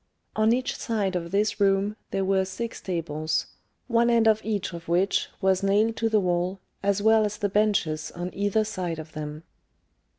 On each side of this room there were six tables, one end of each of which was nailed to the wall, as well as the benches on either side of them.